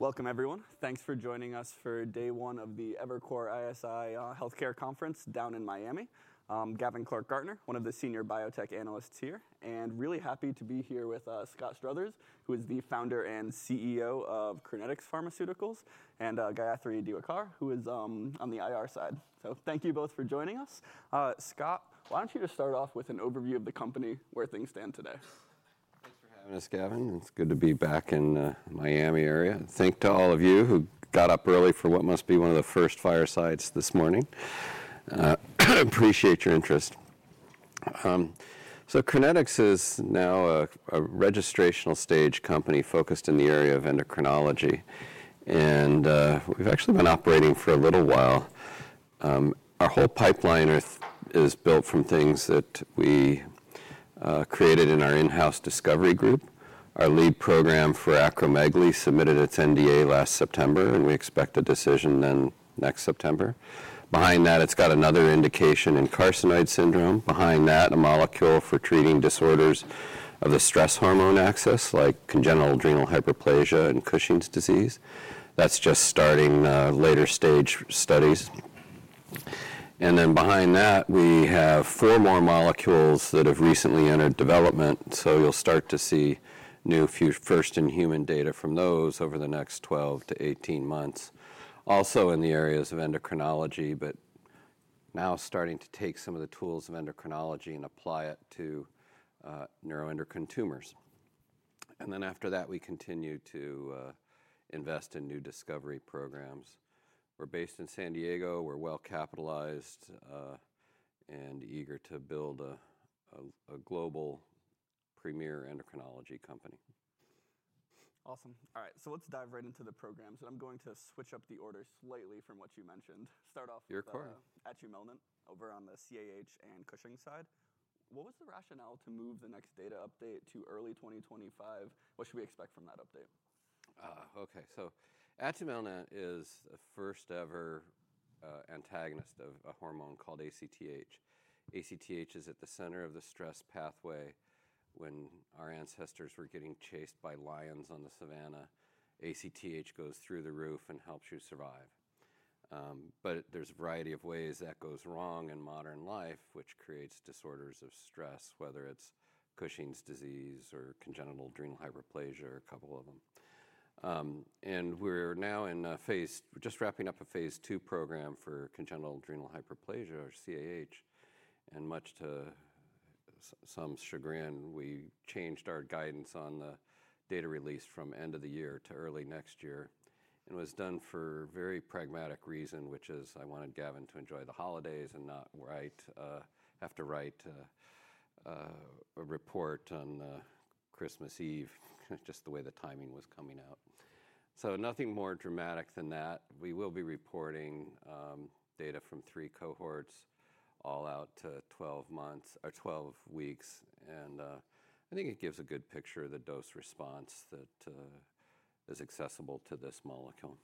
Welcome, everyone. Thanks for joining us for day one of the Evercore ISI Healthcare Conference down in Miami. I'm Gavin Clark-Gartner, one of the senior biotech analysts here, and really happy to be here with Scott Struthers, who is the founder and CEO of Crinetics Pharmaceuticals, and Gayathri Diwakar, who is on the IR side. Thank you both for joining us. Scott, why don't you just start off with an overview of the company where things stand today? Thanks for having us, Gavin. It's good to be back in the Miami area. Thank you to all of you who got up early for what must be one of the first firesides this morning. I appreciate your interest. So Crinetics is now a registrational stage company focused in the area of endocrinology, and we've actually been operating for a little while. Our whole pipeline is built from things that we created in our in-house discovery group. Our lead program for acromegaly submitted its NDA last September, and we expect a decision then next September. Behind that, it's got another indication in carcinoid syndrome. Behind that, a molecule for treating disorders of the stress hormone axis, like congenital adrenal hyperplasia and Cushing's disease. That's just starting later stage studies. And then behind that, we have four more molecules that have recently entered development, so you'll start to see new first-in-human data from those over the next 12-18 months. Also in the areas of endocrinology, but now starting to take some of the tools of endocrinology and apply it to neuroendocrine tumors. And then after that, we continue to invest in new discovery programs. We're based in San Diego. We're well-capitalized and eager to build a global premier endocrinology company. Awesome. All right, so let's dive right into the programs, and I'm going to switch up the order slightly from what you mentioned. Start off at atumelnant, over on the CAH and Cushing's side. What was the rationale to move the next data update to early 2025? What should we expect from that update? Okay, so atumelnant is the first-ever antagonist of a hormone called ACTH. ACTH is at the center of the stress pathway when our ancestors were getting chased by lions on the savanna. ACTH goes through the roof and helps you survive, but there's a variety of ways that goes wrong in modern life, which creates disorders of stress, whether it's Cushing's disease or congenital adrenal hyperplasia, or a couple of them, and we're now in phase, just wrapping up a phase I program for congenital adrenal hyperplasia, or CAH, and much to some chagrin, we changed our guidance on the data release from end of the year to early next year, and it was done for a very pragmatic reason, which is I wanted Gavin to enjoy the holidays and not have to write a report on Christmas Eve, just the way the timing was coming out. So nothing more dramatic than that. We will be reporting data from three cohorts, all out to 12 months or 12 weeks, and I think it gives a good picture of the dose response that is accessible to this molecule.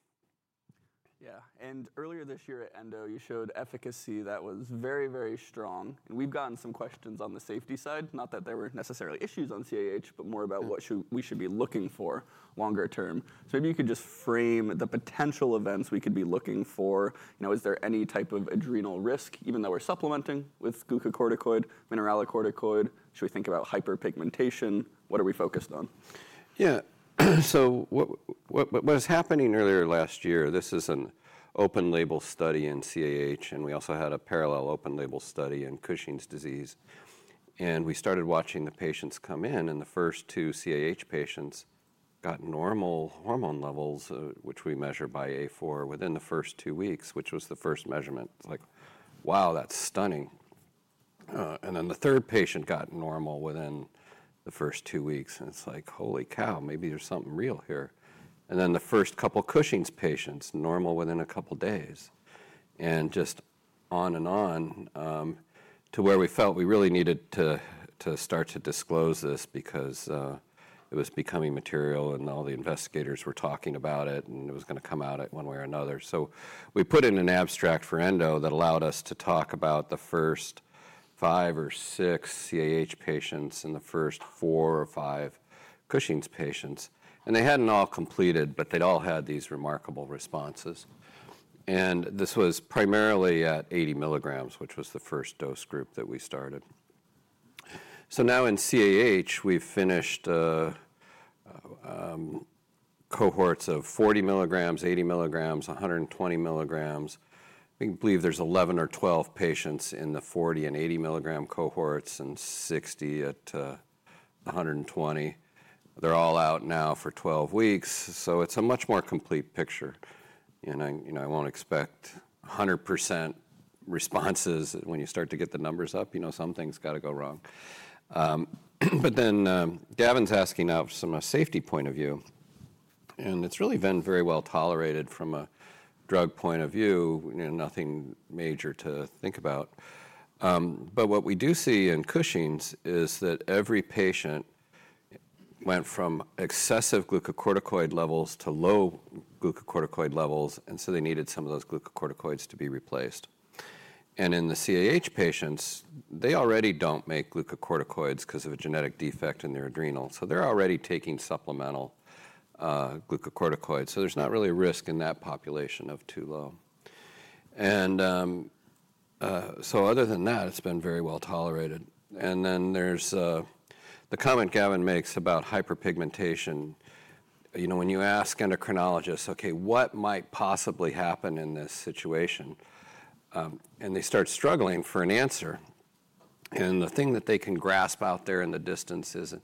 Yeah, and earlier this year at ENDO, you showed efficacy that was very, very strong. And we've gotten some questions on the safety side, not that there were necessarily issues on CAH, but more about what we should be looking for longer term. So maybe you could just frame the potential events we could be looking for. Is there any type of adrenal risk, even though we're supplementing with glucocorticoid, mineralocorticoid? Should we think about hyperpigmentation? What are we focused on? Yeah, so what was happening earlier last year. This is an open-label study in CAH, and we also had a parallel open-label study in Cushing's disease. And we started watching the patients come in, and the first two CAH patients got normal hormone levels, which we measure by A4, within the first two weeks, which was the first measurement. It's like, wow, that's stunning. And then the third patient got normal within the first two weeks, and it's like, holy cow, maybe there's something real here. And then the first couple of Cushing's patients, normal within a couple of days, and just on and on to where we felt we really needed to start to disclose this because it was becoming material and all the investigators were talking about it and it was going to come out one way or another. So we put in an abstract for ENDO that allowed us to talk about the first five or six CAH patients and the first four or five Cushing's patients. And they hadn't all completed, but they'd all had these remarkable responses. And this was primarily at 80 mg, which was the first dose group that we started. So now in CAH, we've finished cohorts of 40 mg, 80 mg, 120 mg. We believe there's 11 or 12 patients in the 40 and 80 mg cohorts and 60 at 120. They're all out now for 12 weeks, so it's a much more complete picture. And I won't expect 100% responses when you start to get the numbers up. You know, something's got to go wrong. But then Gavin's asking now from a safety point of view, and it's really been very well tolerated from a drug point of view, nothing major to think about. But what we do see in Cushing's is that every patient went from excessive glucocorticoid levels to low glucocorticoid levels, and so they needed some of those glucocorticoids to be replaced. And in the CAH patients, they already don't make glucocorticoids because of a genetic defect in their adrenal, so they're already taking supplemental glucocorticoids, so there's not really a risk in that population of too low. And so other than that, it's been very well tolerated. And then there's the comment Gavin makes about hyperpigmentation. You know, when you ask endocrinologists, okay, what might possibly happen in this situation? And they start struggling for an answer. The thing that they can grasp out there in the distance is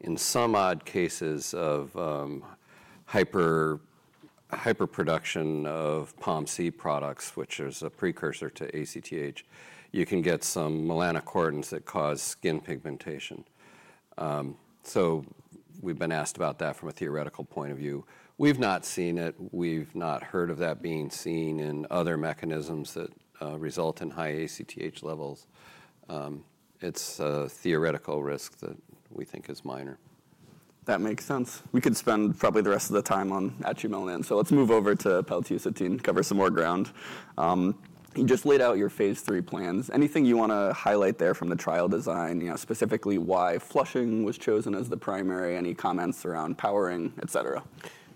in some odd cases of hyperproduction of POMC products, which is a precursor to ACTH, you can get some melanocortins that cause skin pigmentation. We've been asked about that from a theoretical point of view. We've not seen it. We've not heard of that being seen in other mechanisms that result in high ACTH levels. It's a theoretical risk that we think is minor. That makes sense. We could spend probably the rest of the time on atumelnant, so let's move over to Paltusotine and cover some more ground. You just laid out your phase III plans. Anything you want to highlight there from the trial design, specifically why flushing was chosen as the primary, any comments around powering, et cetera?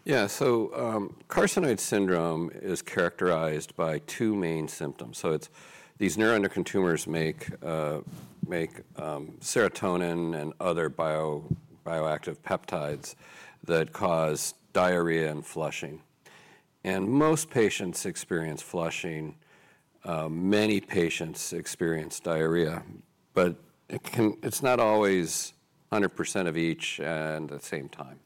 Yeah, so carcinoid syndrome is characterized by two main symptoms. So these neuroendocrine tumors make serotonin and other bioactive peptides that cause diarrhea and flushing. And most patients experience flushing. Many patients experience diarrhea, but it's not always 100% of each at the same time.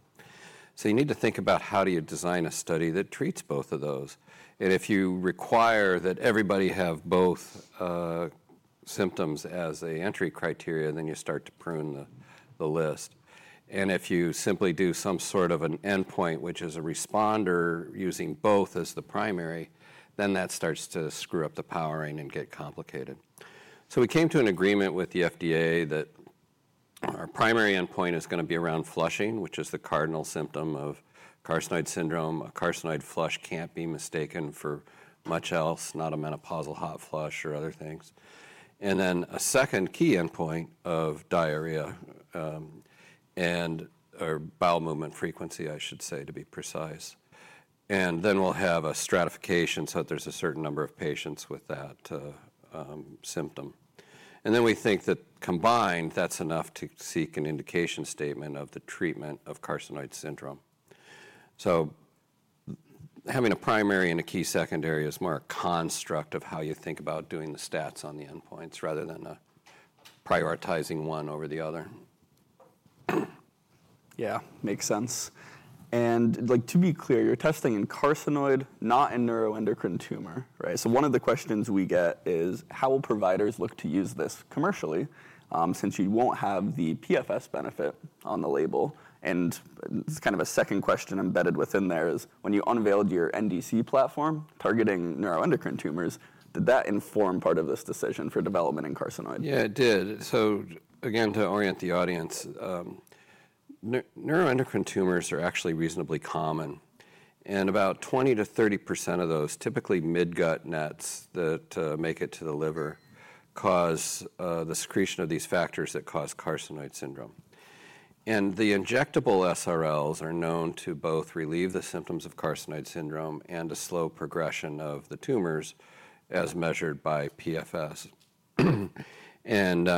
So you need to think about how do you design a study that treats both of those. And if you require that everybody have both symptoms as an entry criteria, then you start to prune the list. And if you simply do some sort of an endpoint, which is a responder using both as the primary, then that starts to screw up the powering and get complicated. So we came to an agreement with the FDA that our primary endpoint is going to be around flushing, which is the cardinal symptom of carcinoid syndrome. A carcinoid flush can't be mistaken for much else, not a menopausal hot flush or other things, and then a second key endpoint of diarrhea and/or bowel movement frequency, I should say, to be precise, and then we'll have a stratification so that there's a certain number of patients with that symptom, and then we think that combined, that's enough to seek an indication statement of the treatment of carcinoid syndrome, so having a primary and a key secondary is more a construct of how you think about doing the stats on the endpoints rather than prioritizing one over the other. Yeah, makes sense. And to be clear, you're testing in carcinoid, not in neuroendocrine tumor, right? So one of the questions we get is, how will providers look to use this commercially since you won't have the PFS benefit on the label? And it's kind of a second question embedded within there is, when you unveiled your NDC platform targeting neuroendocrine tumors, did that inform part of this decision for development in carcinoid? Yeah, it did. So again, to orient the audience, neuroendocrine tumors are actually reasonably common. And about 20%-30% of those, typically midgut NETs that make it to the liver, cause the secretion of these factors that cause carcinoid syndrome. And the injectable SRLs are known to both relieve the symptoms of carcinoid syndrome and to slow progression of the tumors as measured by PFS. And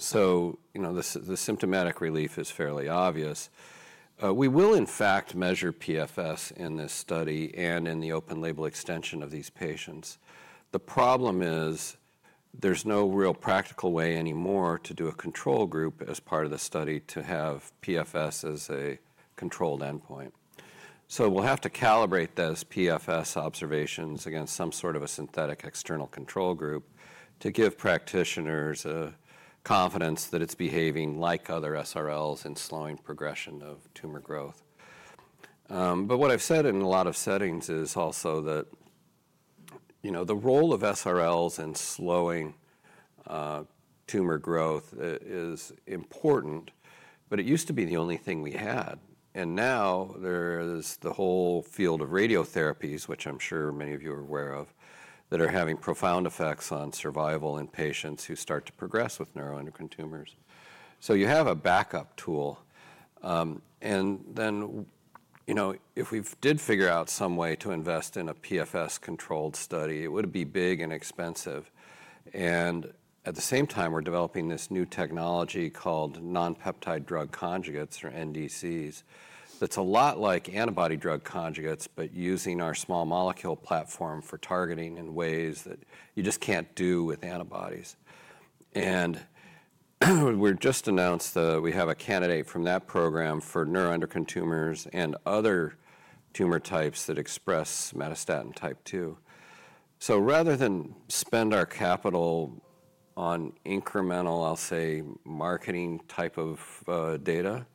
so the symptomatic relief is fairly obvious. We will, in fact, measure PFS in this study and in the open-label extension of these patients. The problem is there's no real practical way anymore to do a control group as part of the study to have PFS as a controlled endpoint. So we'll have to calibrate those PFS observations against some sort of a synthetic external control group to give practitioners confidence that it's behaving like other SRLs in slowing progression of tumor growth. But what I've said in a lot of settings is also that the role of SRLs in slowing tumor growth is important, but it used to be the only thing we had. And now there is the whole field of radiotherapies, which I'm sure many of you are aware of, that are having profound effects on survival in patients who start to progress with neuroendocrine tumors. So you have a backup tool. And then if we did figure out some way to invest in a PFS-controlled study, it would be big and expensive. And at the same time, we're developing this new technology called non-peptide drug conjugates, or NDCs, that's a lot like antibody drug conjugates, but using our small molecule platform for targeting in ways that you just can't do with antibodies. We've just announced that we have a candidate from that program for neuroendocrine tumors and other tumor types that express SST2. Rather than spend our capital on incremental, I'll say, marketing type of data,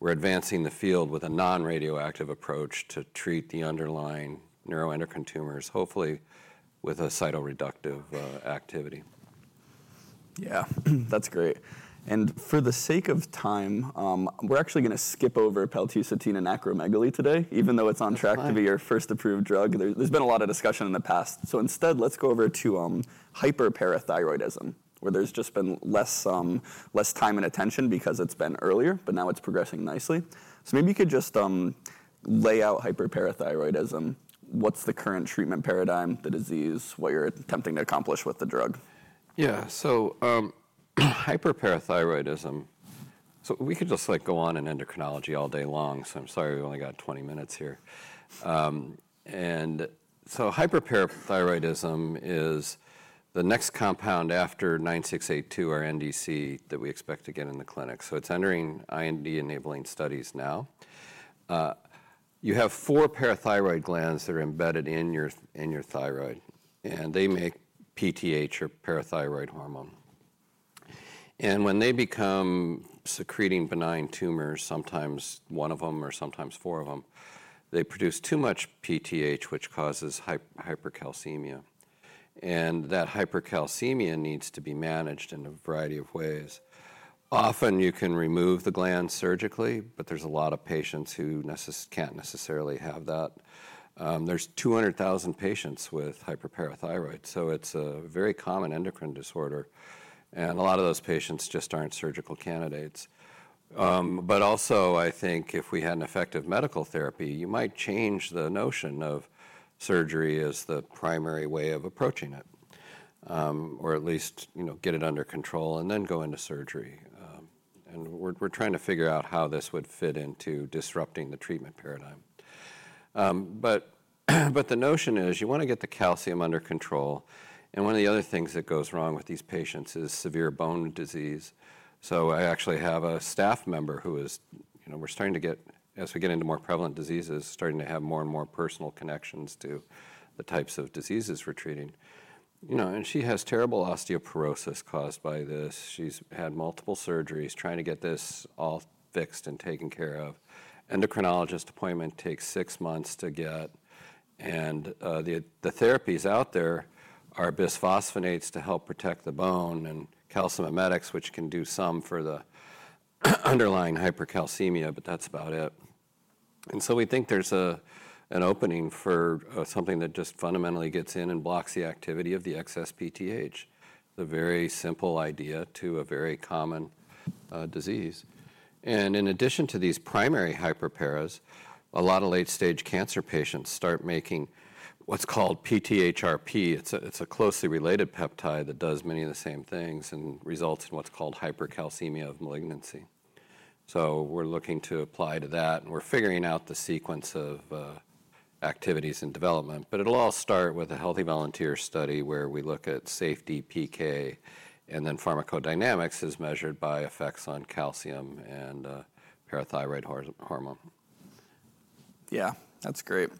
we're advancing the field with a non-radioactive approach to treat the underlying neuroendocrine tumors, hopefully with a cytoreductive activity. Yeah, that's great. And for the sake of time, we're actually going to skip over paltusotine and acromegaly today, even though it's on track to be your first approved drug. There's been a lot of discussion in the past. So instead, let's go over to hyperparathyroidism, where there's just been less time and attention because it's been earlier, but now it's progressing nicely. So maybe you could just lay out hyperparathyroidism. What's the current treatment paradigm, the disease, what you're attempting to accomplish with the drug? Yeah, so hyperparathyroidism. So we could just go on in endocrinology all day long, so I'm sorry we only got 20 minutes here. And so hyperparathyroidism is the next compound after 9682, our NDC, that we expect to get in the clinic. So it's entering IND-enabling studies now. You have four parathyroid glands that are embedded in your thyroid, and they make PTH, or parathyroid hormone. And when they become secreting benign tumors, sometimes one of them or sometimes four of them, they produce too much PTH, which causes hypercalcemia. And that hypercalcemia needs to be managed in a variety of ways. Often you can remove the gland surgically, but there's a lot of patients who can't necessarily have that. There's 200,000 patients with hyperparathyroidism, so it's a very common endocrine disorder, and a lot of those patients just aren't surgical candidates. But also, I think if we had an effective medical therapy, you might change the notion of surgery as the primary way of approaching it, or at least get it under control and then go into surgery. And we're trying to figure out how this would fit into disrupting the treatment paradigm. But the notion is you want to get the calcium under control. And one of the other things that goes wrong with these patients is severe bone disease. So I actually have a staff member who is. We're starting to get, as we get into more prevalent diseases, starting to have more and more personal connections to the types of diseases we're treating. And she has terrible osteoporosis caused by this. She's had multiple surgeries, trying to get this all fixed and taken care of. Endocrinologist appointment takes six months to get. The therapies out there are bisphosphonates to help protect the bone and calcimimetics, which can do some for the underlying hypercalcemia, but that's about it. We think there's an opening for something that just fundamentally gets in and blocks the activity of the excess PTH, the very simple idea to a very common disease. In addition to these primary hyperparathyroidism, a lot of late-stage cancer patients start making what's called PTHrP. It's a closely related peptide that does many of the same things and results in what's called hypercalcemia of malignancy. We're looking to apply to that, and we're figuring out the sequence of activities and development. It will all start with a healthy volunteer study where we look at safety, PK, and then pharmacodynamics is measured by effects on calcium and parathyroid hormone. Yeah, that's great.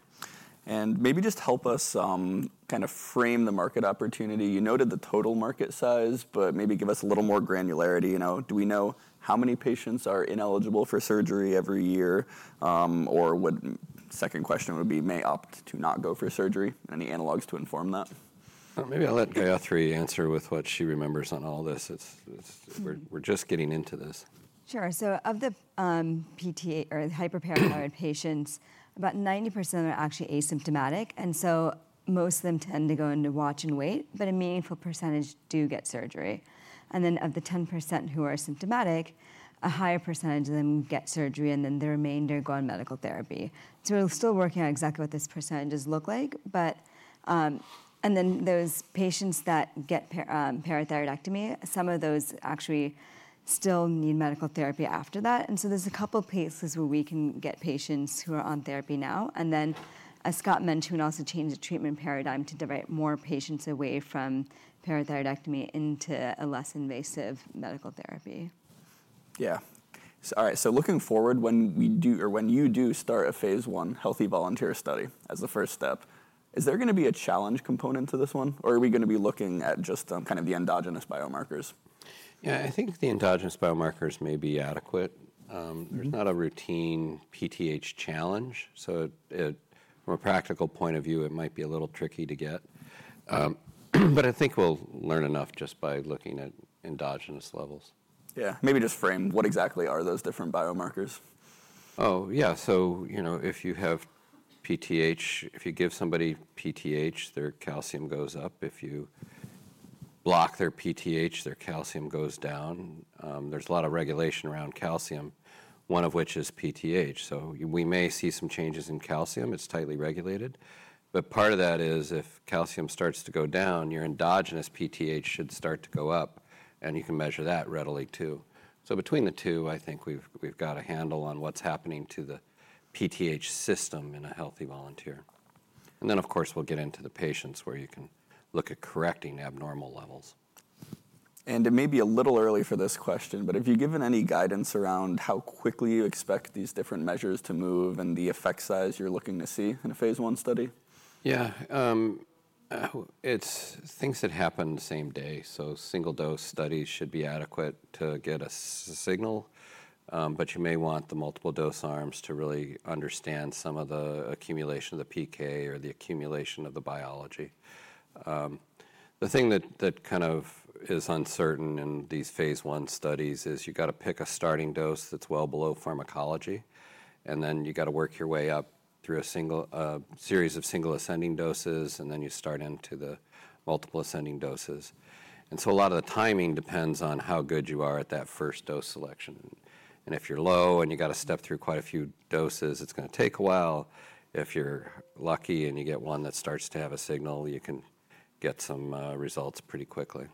And maybe just help us kind of frame the market opportunity. You noted the total market size, but maybe give us a little more granularity. Do we know how many patients are ineligible for surgery every year? Or would, second question would be, may opt to not go for surgery? Any analogs to inform that? Maybe I'll let Gayathri answer with what she remembers on all this. We're just getting into this. Sure. So of the PTH or hyperparathyroidism patients, about 90% are actually asymptomatic, and so most of them tend to go into watch and wait, but a meaningful percentage do get surgery. And then of the 10% who are symptomatic, a higher percentage of them get surgery, and then the remainder go on medical therapy. So we're still working on exactly what this percentage looks like. And then those patients that get parathyroidectomy, some of those actually still need medical therapy after that. And so there's a couple of places where we can get patients who are on therapy now. And then Scott mentioned also changing the treatment paradigm to divert more patients away from parathyroidectomy into a less invasive medical therapy. Yeah. All right, so looking forward, when you do start a phase I healthy volunteer study as the first step, is there going to be a challenge component to this one? Or are we going to be looking at just kind of the endogenous biomarkers? Yeah, I think the endogenous biomarkers may be adequate. There's not a routine PTH challenge. So from a practical point of view, it might be a little tricky to get. But I think we'll learn enough just by looking at endogenous levels. Yeah, maybe just frame what exactly are those different biomarkers? Oh, yeah. So if you have PTH, if you give somebody PTH, their calcium goes up. If you block their PTH, their calcium goes down. There's a lot of regulation around calcium, one of which is PTH. So we may see some changes in calcium. It's tightly regulated. But part of that is if calcium starts to go down, your endogenous PTH should start to go up, and you can measure that readily too. So between the two, I think we've got a handle on what's happening to the PTH system in a healthy volunteer. And then, of course, we'll get into the patients where you can look at correcting abnormal levels. It may be a little early for this question, but have you given any guidance around how quickly you expect these different measures to move and the effect size you're looking to see in a phase I study? Yeah. Things that happen the same day. So single-dose studies should be adequate to get a signal, but you may want the multiple-dose arms to really understand some of the accumulation of the PK or the accumulation of the biology. The thing that kind of is uncertain in these phase I studies is you've got to pick a starting dose that's well below pharmacology, and then you've got to work your way up through a series of single ascending doses, and then you start into the multiple ascending doses. A lot of the timing depends on how good you are at that first dose selection. If you're low and you've got to step through quite a few doses, it's going to take a while. If you're lucky and you get one that starts to have a signal, you can get some results pretty quickly.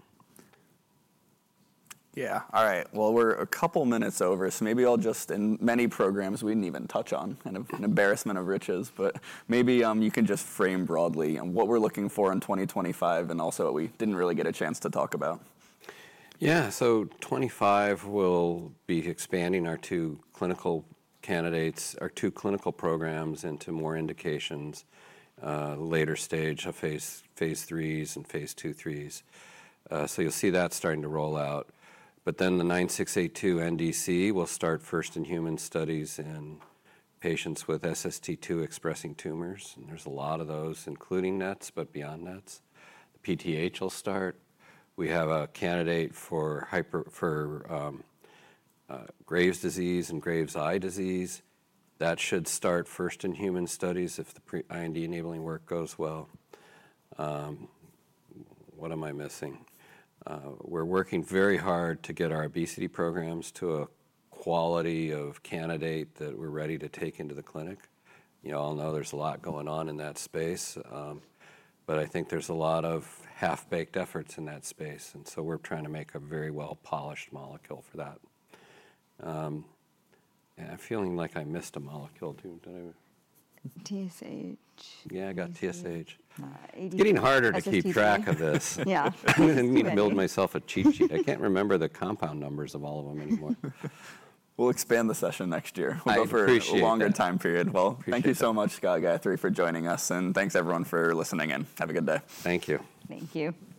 Yeah. All right. Well, we're a couple of minutes over, so maybe I'll just, in many programs, we didn't even touch on, kind of an embarrassment of riches, but maybe you can just frame broadly what we're looking for in 2025 and also what we didn't really get a chance to talk about. Yeah. So 2025, we'll be expanding our two clinical candidates, our two clinical programs into more indications, later stage of phase IIIs and phase II/IIIs. So you'll see that starting to roll out. But then the 9682 NDC will start first-in-human studies in patients with SST2-expressing tumors. And there's a lot of those, including NETs, but beyond NETs. PTH will start. We have a candidate for Graves' disease and Graves' eye disease. That should start first-in-human studies if the IND-enabling work goes well. What am I missing? We're working very hard to get our obesity programs to a quality of candidate that we're ready to take into the clinic. I know there's a lot going on in that space, but I think there's a lot of half-baked efforts in that space. And so we're trying to make a very well-polished molecule for that. I'm feeling like I missed a molecule. Did I? TSH. Yeah, I got TSH. Getting harder to keep track of this. I need to build myself a cheat sheet. I can't remember the compound numbers of all of them anymore. We'll expand the session next year. I appreciate it. For a longer time period. Well, thank you so much, Scott, Gayathri, for joining us. And thanks, everyone, for listening in. Have a good day. Thank you. Thank you.